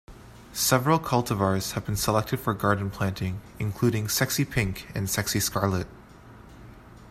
Several cultivars have been selected for garden planting, including 'Sexy Pink' and 'Sexy Scarlet'.